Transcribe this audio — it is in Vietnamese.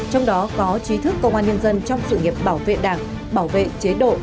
trong đó có trí thức công an nhân dân trong sự nghiệp bảo vệ đảng bảo vệ chế độ